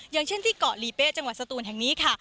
อย่างเช่นที่เกาะลีเป้จังหวัดสตูนแห่งนี้ค่ะ